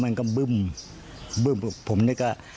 เห็นไหมแต่มันบึ้มบึ้มปุ๋มเนี้ยก็